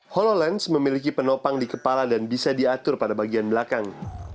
hololens memiliki penopang di kepala dan bisa diatur pada bagian belakang